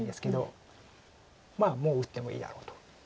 まあもう打ってもいいだろうと。